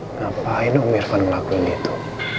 ngapain umir fanda ngelakuin itu